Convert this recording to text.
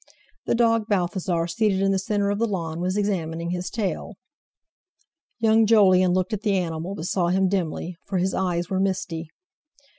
The dog Balthasar, seated in the centre of the lawn, was examining his tail. Young Jolyon looked at the animal, but saw him dimly, for his eyes were misty.